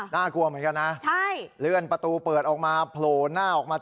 น่ากลัวเหมือนกันนะเลื่อนประตูเปิดออกมาโผล่หน้าออกมา